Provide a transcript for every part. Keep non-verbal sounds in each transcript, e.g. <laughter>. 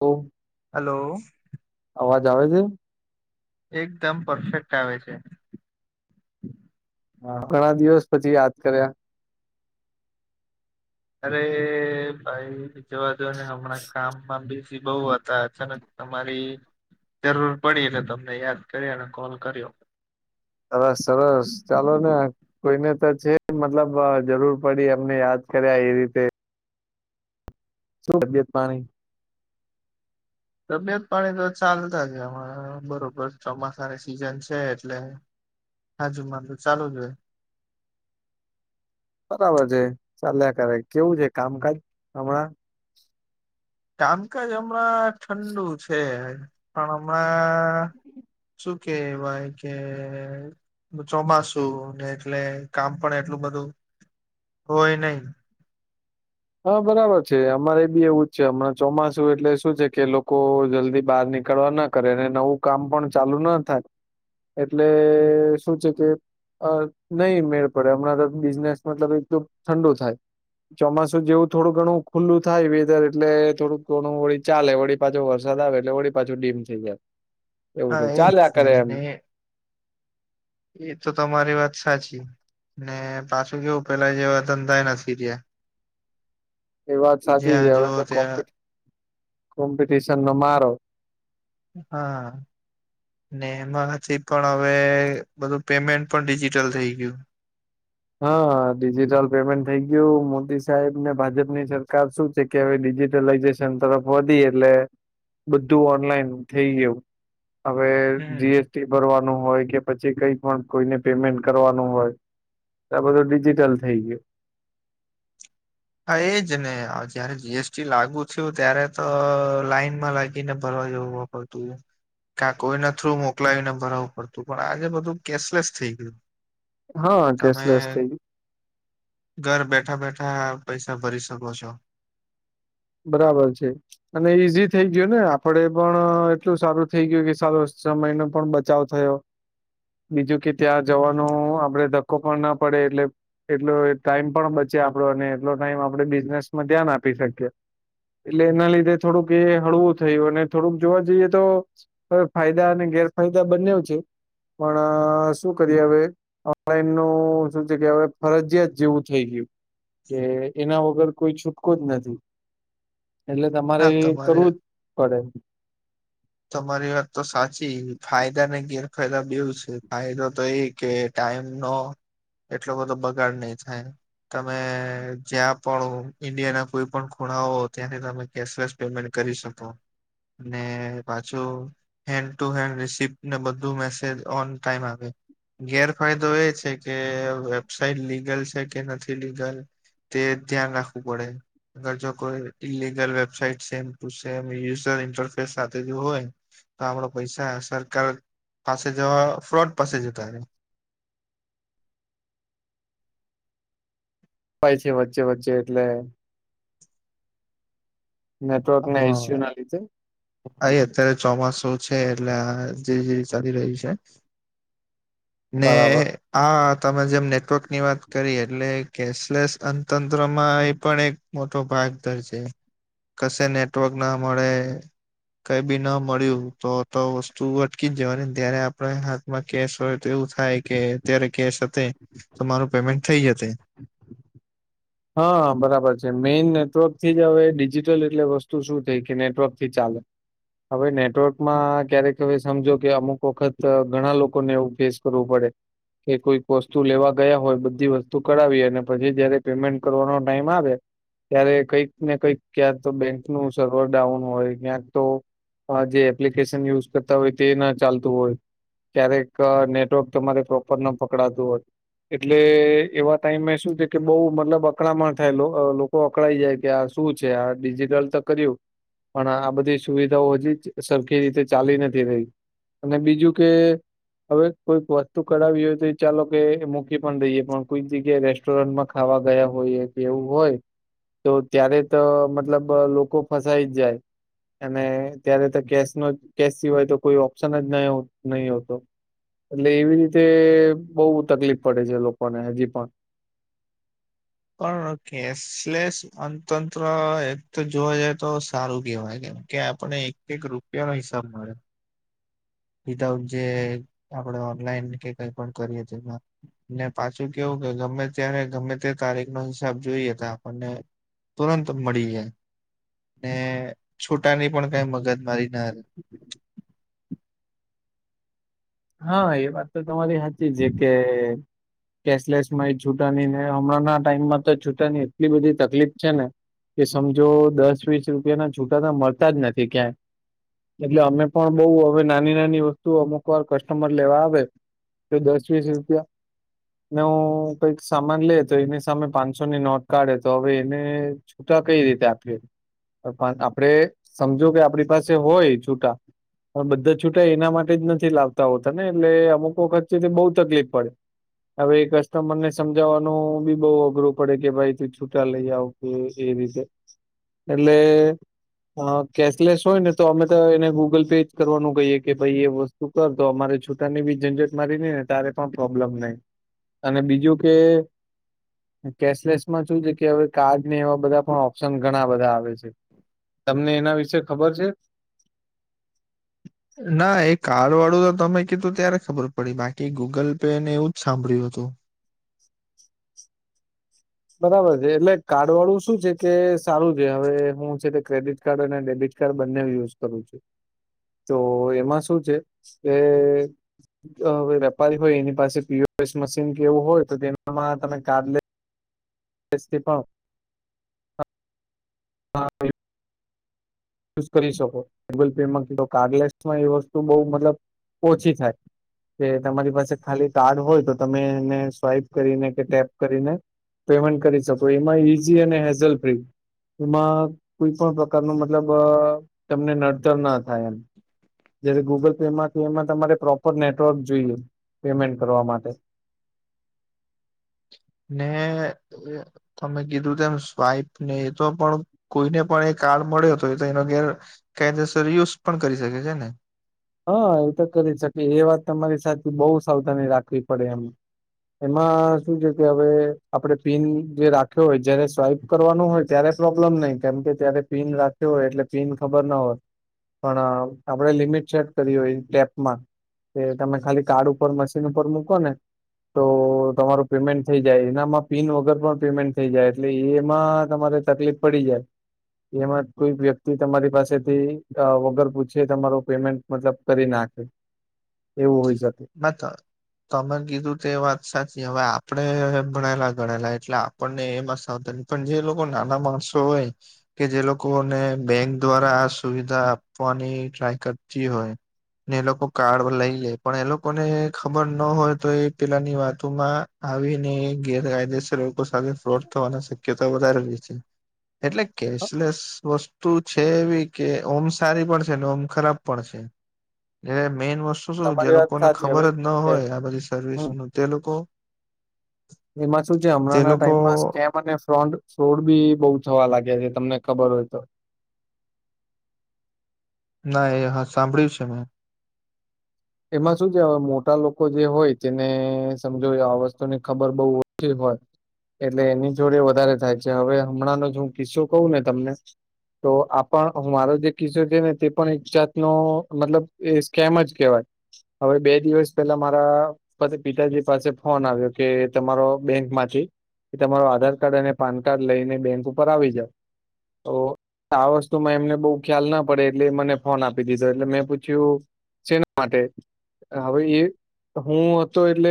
ઓ hello અવાજ આવે છે. એકદમ પરફેક્ટ આવે છે. હા ઘણા દિવસ પછી યાદ કર્યા અરે ભાઈ જોવા જો ને હમણાં કામ માં બી બહુ હતા છે ને તમારી જરૂર પડી એટલે તમને યાદ કરી અને કોલ કર્યો સરસ સરસ ચાલો ને કોઈને તો છે મતલબ જરૂર પડી અમને યાદ કર્યા એ રીતે શું તબિયત પાણી તબિયત પાણી તો ચાલતા જ હણા બરોબર ચોમાસાની સિઝન છે એટલે હાજુ માુ ચાલુ જ હોય. બરાબર છે ચાલ્યા કરે કેવું છે કામકાજ હમણાં કામકાજ હમણાં ઠંડુ છે પણ હમણાં શું કેવાય કે ચોમાસું ને એટલે કામ પણ એટલું બધું હોય નહિ. હા બરાબર છે અમારે બી એવું જ છે હમણાં ચોમાસું એટલે શું છે કે લોકો જલ્દી બહાર નીકળવા ના કરે અને નવું કામ પણ ચાલુ ના થાય એટલે શું છે કે. અ નહી મેળ પડે હમણાં તો બિઝનેસ મતલબ એક તો ઠંડો થાય ચોમાસું જેવું થોડું ઘણું ખુલ્લું થાય વેદર એટલે થોડુંક ઘણું વળી ચાલે વળી પાછો વરસાદ આવે એટલે વળી પાછું ડીમ થઈ જાય એવું હા થયું એજ ચાલ છે આખરે એમ. ને એ તો તમારી વાત સાચી ને પાછું કેવું પેલા જેવા ધંધાય નથી રેયા. એ વાત સાચી છે જ્યાં હવે જુઓ તો કો્પ ત્યાં કોમ્પિટિશન નો મારો હા. ને એમાંથી પણ હવે બધું પેમેન્ટ પણ ડિજિટલ થઈ ગયું. હા ડિજિટલ પેમેન્ટ થઈ ગયું મોદી સાહેબ ને ભાજપ ની સરકાર શું કેવે ડિજિટલાઈઝેશન તરફ વધી એટલે બધું ઓનલાઈન થઈ ગયું. હવે હમ જી એ ભરવાનું હોય કે પછી કઈ પણ કોઈને પેમેન્ટ કરવાનું હોય. આ બધુ ડડીજિટલ થઈ ગયું. હા એજ નને જયારે જીએસટી લાગુ થયું ત્યારે તો લાઈનમાં લાગીને ભરવા જવા પડતું. કાંઈક કોઈના થ્રુ મોકલાવીને ભરાવું પડતું પણ આજે બધું કેશલેસ થઈ ગયું. હા તમે કેશલેસ થઈ ગયું ઘર બેઠા બેઠા પૈસા ભરી શકો છો. બરાબર છે. અને ઈઝી થઈ ગયો ને આપડે પણ એટલું સારું થઇ ગયું કે સારો સમય ન પણ બચાવ થયો બીજું કે ત્યાં જવાનો આપડે ધક્કો પણ ના પડે એટલે એટલો ટાઈમ પણ બચે આપડો અને એટલો ટાઈમ આપણે બિઝનેસમાં ધ્યાન આપી શકીએ. એટલે એના લીધે થોડુંક એ હળવું થયું અને થોડુંક જોવા જઈએ તો હવે ફાયદા અને ગેરફાયદા બંને છે પણ શું કરીએ હવે. ઓનલાઈન નું શું છે કે હવે ફરજયાત જેવું થઈ ગયું. કે એના વગર કોઈ છૂટકો જ નથી. એટલે તમારે કરવું જ પડે. તમારી વાત તો સાચી ફાયદા ને ગેરફાયદા બંનેવ છે. ફાયદો તો એક કે ટાઈમ નો એટલો બધો બગાડ નહી થાય. તમે જ્યાં પણ ઈન્ડિયા ના કોઈ પણ ખૂણાઓ ત્યાંથી તમે. કેશલેસ પેમેન્ટ કરી શકો. પાછું હેન્ડ ટુ હેન્ડ રિસપ ને બધું મેસેજ ઓન ટાઈમ આવે. ગેરફાયદો એ છે કે વેબસાઇટ લીગલ છે કે નથી લીગલ તે ધ્યાન રાખવું પડે. અગર જો કોઈ illegal website same to same user interface સાથે હોય તો આપણા પૈસા સરકાર પાસે જવા ફ્રોડ પાસે જતા રહે. હોય છે, વચ્ચે વચ્ચે એટલે નેટવર્કને હા, ઇસુએના લીધે આ એ અત્યારે ચોમાસું છે એટલે આ જે જીવી ચાલી રહી છે. ને બરાબર હા, તમે જેમ નેટવર્ક ની વાત કરી, એટલે કેશલેસ અનતંત્રમાં એ પણ એક મોટો ભાગ ધરજ કશે નેટવર્ક ના મળે કઈ બી ન મળ્યું તો તો વસ્તુ અટકી જ જવાની જયારે આપણે હાથમાં કેસ હોય એવું થાય કે અત્યારે કેશ હતે તો મારું પેમેન્ટ થઈ જતે. હા બરાબર છે મેઈન નેટવર્ક થી જ હવે ડિજિટલ એટલે વસ્તુ શું થઈ કે નેટવર્ક થી ચાલે. હવે નેટવર્કમાં ક્યારેક હવે સમજો કે અમુક વખત ઘણા લોકોને એવું ફેસ કરવું પડે. કે કોઈક વસ્તુ લેવા ગયા હોય બધી વસ્તુ કરાવી અને પછી જયારે પેમેન્ટ કરવાનો ટાઈમ આવે. ત્યારે કંઈક ને કંઈક ક્યાંક તો બેંક નું સર્વર ડાઉન હોય ક્યાંક તો આ જે એપ્લિકેશન યુઝ કરતા હોય તે ના ચાલતું હોય ક્યારેક નેટવર્ક તમારે પ્રોપર ન પકડાતું હોય. એટલે એવા ટાઈમે શું છે કે બઉ મતલબ અકળમાંણ થાય લોકો અકળાઈ જાય કે આ શું છે આ ડિજિટલ તો કર્યું. પણ આ બધી સુવિધાઓ હજી સરખી રીતે ચાલી નથી રહી. અને બીજું કે? હવે કોઈક વસ્તુ કઢાવી હોય તો ચાલો કે મૂકી પણ દઈએ પણ કોઈક જગ્યાએ રેસ્ટોરન્ટમાં ખાવા ગયા હોય કે એવું હોય તો ત્યારે તો મતલબ લોકો ફસાઈ જ જાય. અને ત્યારે તો કેશ ન કેશ સિવાય તો કોઈ ઓપ્શન જ ન નહી નહી હોતો. એટલે એવી રીતે બઉુ તકલીફ પડે છે લોકોને હજી પણ પણ કેશલેસ અતંત્ર એક જોવા જઈ તો સારું કેવાય કે. કે આપણને એક એક રૂપિયા નો હિસાબ મળે. વિધાઉટ જે આપણે ઓનલાઈન કે કઈ પણ કરીએ તો એમાં ને પાછું કેવું કે ગમે ત્યારે ગમે તે તારીખ નો હિસાબ જોઈએ તો આપણને તુરંત મળી જાય ને છુટાની પણ કઈ મગજ મારી ના. હા એ વાત તો તમારી હાચી છે કે. <unintelligible> કેશલેસ માય છૂટાની ને હમણાં ટાઈમમાં તો છૂટાની એટલી બધી તકલીફ છે ને. કે સમજો દસ વીસ રૂપિયા ના છૂટા તો મળતા જ નથી ક્યાંય. એટલે અમે પણ બઉ હવે નાની નાની વસ્તુ અમુક વાર ક. સમર લેવા આવે તો દસ વીસ રૂપિયા ને હું કઈક સામાન લે તો એની સામે પાંચસો ની નોટ કાઢે તો હવે એને છૂટા કઈ રીતે આપીએ આપડે સમજો કે આપણી પાસે હોય છૂટા પણ બધા છૂટાય એના માટે જ નથી લાવતા હોતા ને એટલે અમુકો વખત થી બહુ તકલીફ પડે. હવે એ કસ્ટમર ને સમજાવવાનું બી બઉુ અઘરું પડે કે ભાઈ તું છૂટા લઈ આવ. એટલે. હ કેશલેસ હોય ને તો અમે તો એને ગૂગલ પે જ કરવાનું કહીએ કે ભાઈ એ વસ્તુ કર તો અમારે છૂટાની બી જનઝટ મારી નહી ને તારે પણ પ્રોબ્લેમ નઈ. અને બીજું કે. કેશલેસમાં શું છે કે હવે કાર્ડ ને એવા બધા પણ ઓપ્શન ઘણા બધા આવે છે. તમને એના વિશેે ખબર છે. ના એ કાર્ડ વાળું તો તમે કીધું ત્યારે ખબર પડી બાકી ગૂગલ પેને એવું જ સાંભળ્યું હતું. બરાબર છે એટલે કાર્ડ વાળું શું છે કે સારું છે હવે હું છે તે ક્રેડિટ કાર્ડ અને ડેબિટ કાડૅ બંને યુઝ કરું છું તો એમાં શું છે કે અ વેપારી હોય એની પાસે પીએસ મશીન કેવું હોય તો તેમાં તમે કાડૅ લે. વસ્તી પા હા. યુઝ કરી શકો ગૂગલ પેમાં તો કાડૅ લેશ માં એ વસ્તુ બહુ મતલબ ઓછી થાય. કે તમારી પાસે ખાલી કાર્ડ હોય તો તમે એને સ્વાઈપ કરીને કે ટેપ કરીને. પેમેન્ટ કરી શકો એમાં ઈઝ અને હેઝલ ફ્રી એમાં કોઈ પણ પ્રકારનું મતલબ તમને નડતર ના થાય એમ. જયારે ગુગલ પે માંથી એમાં તમારે પ્રોપર નેટવર્ક જોઈએ પેમેન્ટ કરવા માટે ને. તમે કીધું તેમ સ્વાઈફ ને એ તો પણ કોઈને પણ એ કાર્ડ મળ્યો હતો એ તો એન ઘેર. કાયદેસર યુઝ પણ કરી શકે છે ને. હા એ તો કરી શકે એ વાત તમારી સાથે બહુ સાવધાની રાખવી પડે એમ. એમાં શું છે કે હવે આપડે પીન જે રાખ્યો હોય જયારે સ્વાઈપ કરવાનું હોય ત્યારે પ્રોબ્લેમ નહી કેમ કે ત્યારે પીન રાખ્યો હોય એટલે પીન ખબર ના હોય. પણ આપડે લિમિટ ચેક કરી હોય ટેપમાં, તે તમે ખાલી કાર્ડ ઉપર મશીન ઉપર મૂકો ને તો તમારું પેમેન્ટ થઈ જાય એનામાં પિન વગર પણ પેમેન્ટ થઈ જાય એટલે એમાં તમારે તકલીફ પડી જાય. એમાં કોઈ વ્યક્તિ તમારી પાસેથી વગર પૂછે તમારો પેમેન્ટ મતલબ કરી નાખે, એવું હોય. શકે મે તો તમે કીધું તે એ વાત સાચી હવે આપડે ભણેલા ગણેલા એટલે આપણને એમાં સાવધાની પણ જે લોકો નાના માણસો હોય કે જે લોકોને બેંક દ્વારા આ સુવિધા આપવાની ટ્રાય કરતી હોય ને એ લોકો કાર્ડ લઈ લે પણ એ લોકોને ખબર ના હોય તો એ પેલાની વાતોમાં આવીને ગેરકાયદેસર લોકો સાથે ફ્રોડ થવાની શક્યતાઓ વધારે રહી છે. એટલે હા, કેશલેસ વસ્તુ છે એવી કે ઓમ સારી પણ છે ને ઓમ ખરાબ પણ છે. છે. જે મેન વસ્તુ શું શું જે તમારી વાત લોકોને સાચી ખબર હવે જ ના એ હોય આ બધી સર્વિસ હમ નું તે લોકો એમાં શું છે તે હમણાંના લોકો ટાઈમમાં સ્કેમ અને ફ્રોડ રોડ બી બઉ થવા લાગ્યા છે તમને ખબર હોય તો? ના એ હા સાંભળ્યું છે મેં. એમાં શું છેવે મોટા લોકો જે હોય તેને સમજો આ વસ્તુની ખબર બહુ ઓછી હોય. એટલે એની જોડે વધારે થાય છે હવે હમણાંનો જો હું કિસ્સો કવું ને તમને તો આપણ મારો જે કિસ્સો છે ને તે પણ એક જાતનો મતલબ એ સ્કેમ જ કેહેવાય. હવે બે દિવસ પેલા મારા પછ પિતાજી પાસે ફોન આવ્યો કે તમારો બેંક માંથી એ તમારું આધાર કાર્ડ અને પાન કાર્ડ લઈને બેંક ઉપર આવી જાવ. તો આ વસ્તુમાં એમને બહુ ખ્યાલ ના પડે એટલે મને ફોન આપી દીધો એટલે મેં પૂછ્યું છેના માટે, હવે એ હું હતો એટલે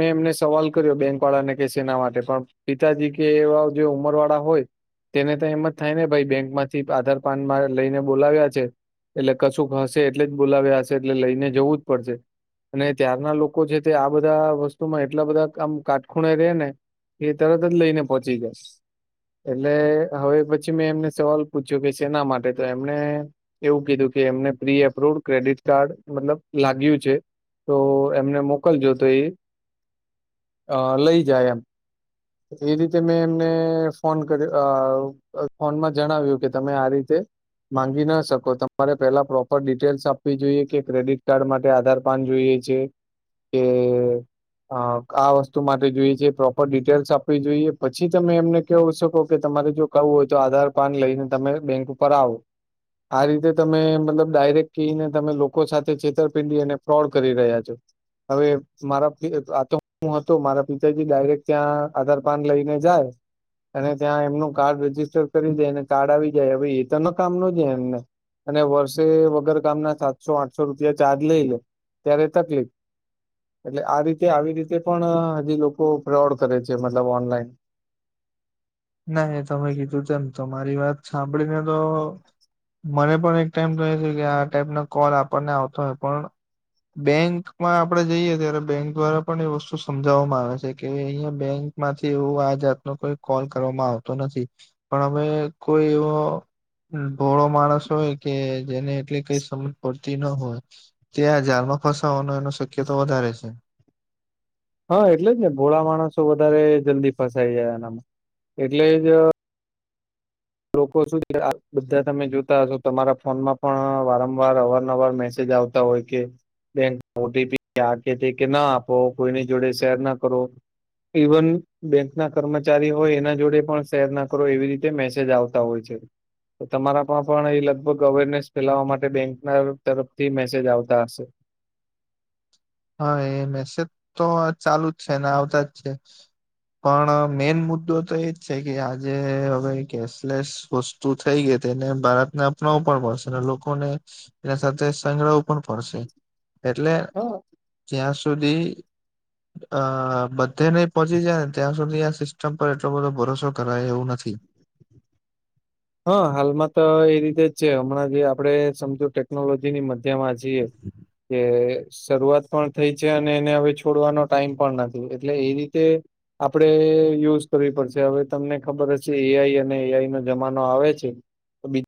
મેં એમને સવાલ કર્યો બેંક વાળાને કે સેના માટે પણ પિતાજી કે એવા જે ઉમર વાળા હોય તેને તો એમ જ થાય ને ભાઈ બેંકમાંથી આધાર કાર્ડમાં લઈને બોલાવ્યા છે. એટલે કશુંક હશે એટલે જ બોલાવ્યા હશે એટલે લઈને જવું જ પડશે. અને ત્યારના લોકો છે તે આ બધા વસ્તુમાં એટલા બધા કામ કાટખૂણે રે ને એ તરત જ લઈને પહોંચી જાય. એટલે હવે પછી મેં એમને સવાલ પૂછ્યો કે શેના માટે તો એમને એવું કીધું કે એમને પ્રી એપ્રુવડ ક્રેડિટ કાર્ડ મતલબ લાગ્યું છે તો એમને મોકલજો તો એ અ લઈ જાય એમ. એ રીતે મેં એમને ફોન કર્યો અ ફોનમાં જણાવ્યું કે તમે આ રીતે માંગી ના શકો તમારે પેલા પ્રોપર ડિટેલ્સ આપવી જોઈએ કે ક્રેડિટ કાર્ડ માટે આધાર પાન જોઈએ છે કે અ આ વસ્તુ માટે જોઈએ છે પ્રોપર ડિટેલ્સ આપવી જોઈએ પછી તમે એમને કેવ શકો કે તમારે જો કવું હોય તો આધાર કાર્ડ લઈને તમે બેંક ઉપર આવો. આ રીતે તમે મતલબ ડાયરેક્ટથીને તમે લોકો સાથે છેતરપીંડી અને ફ્રોડ કરી રહ્યા છો. હવે મારા આ તો હું હતો મારા પિતાજી ડાયરેક્ટ ત્યાં આધાર કાર્ડ લઈને જાય અને ત્યાં એમનું કાર્ડ રજિસ્ટર કરી જાય કાર્ડ આવી જાય હવે એ તો ન કામ ન જ એમને અને વર્ષે વગર કામના સાતસો આઠસો રૂપિયા ચાર્જ લઈ લે ત્યારે તકલીફ. એટલે આ રીતે આવી રીતે પણ હજી લોકો ફ્રોડ કરે છે મતલબ ઓનલાઈન. નાહી તમે કીધું તેમ તમારી વાત સાંભળીને તો મને પણ એક ટાઈમ તો એ છે કે આ ટાઈપનો કોલ આપણને આવતો હોય પણ બેંકમાં આપડે જઈએ ત્યારે બેંક દ્વારા પણ એ વસ્તુ સમજાવવામાં આવે છે કે અહિયાં બેંક માંથી એવું આ જાતનો કોઈ કોલ કરવામાં આવતો નથી પણ અમે કોઈ એવો ભોળો માણસ હોય કે જેને એટલી કઈ સમજ પડતી ન હોય ત્યાંજારમાં ફસાવવાનો એનો શક્ય તો વધારે છે. હા એટલે જ ને ભોળા માણસો વધારે જલ્દી ફસાઈ જાય એનામાં એટલે જ લોકો સુું બધા તમે જોતા હશો તમારા ફોનમાં પણ વારંવાર અવારન અવાર મેસેજ આવતો હોય કે બે ઓ તે કે ના આપો કોઈની જોડે શેર ના કરો ઇવન બેંક ના કર્મચારી હોય એના જોડે પણ શેર ના કરો એવી રીતે મેસે જ આવતા હોય છે. તો તમારામાં પણ એ લગભગ અવેરનેસ ફેલાવવા માટે બેંક ના તરફથી મેસેજ આવતા હશે. હા એ મેસેજ તો ચાલુ જ છે ને આવતા જ છે. પણ મેન મુદ્દો તો એજ છે કે આજે હવે કેશલેસ વસ્તુ થઈ ગઈ તો એને ભારતને અપનાવું પણ પડશે અને લોકોને એના સાથે સંગ્રહ પણ ફડશે એટલે હા ત્યાં સુધી અ બધે નહ પહોંચી જાય ને ત્યાં સુધી આ ચંપલ એટલો બધો ભરોસો કરાય એવું નથી. હા હાલમાં તો એ રીતે જ છે હમણાં જે આપડે સમજુ ટેકનોલોજી ની મ તેમાં જઈએ કે શરૂઆત પણ થઈ છે અને એને હવે છોડવાનો ટાઈમ પણ નથી એટલે એ રીતે આપડણે યુઝ કરવી પડશે હવે તમને ખબર હશે એઆઈ અને એઆઈ નો જમાનો આવે છે બીજું